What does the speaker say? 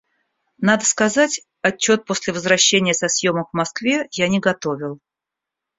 Надо сказать, отчет после возвращения со съемок в Москве я не готовил.